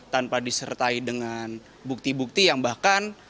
tanpa disertai dengan bukti bukti yang bahkan